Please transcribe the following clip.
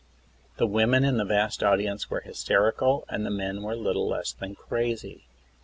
"The women in the vast audience were hysterical, and the men were little less than crazy.